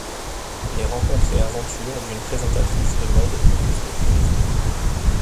Les rencontres et aventures d'une présentatrice de mode auto-stoppeuse…